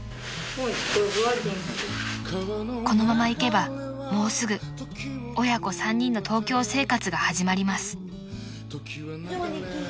［このままいけばもうすぐ親子３人の東京生活が始まります］